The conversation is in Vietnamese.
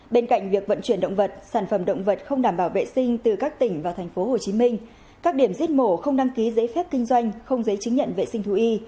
bên cạnh việc vận chuyển động vật sản phẩm động vật không đảm bảo vệ sinh từ các tỉnh vào tp hcm các điểm giết mổ không đăng ký giấy phép kinh doanh không giấy chứng nhận vệ sinh thú y